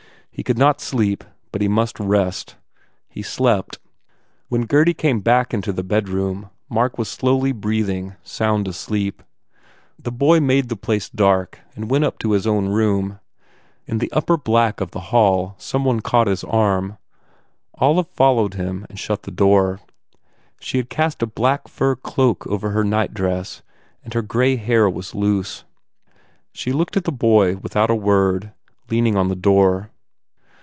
He could not sleep but he must rest. He slept. When Gurdy came back into the bedroom, Mark was slowly breathing, sound asleep. The boy made the place dark and went up to his own room. In the upper black of the hall some one caught his arm. Olive followed him and shut the door. She had cast a black fur cloak over her night dress and her grey hair was loose. She looked at the boy without a word, leaning on the door.